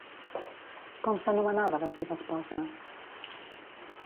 Com s'anomenava la seva esposa?